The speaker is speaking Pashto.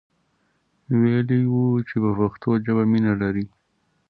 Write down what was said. ویلی وو چې په پښتو ژبه مینه لري.